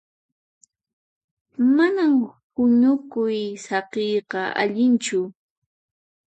Manan huñukuy saqiyqa allinchu.